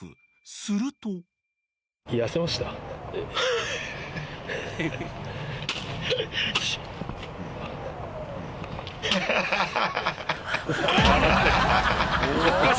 ［すると］ハハハハハ！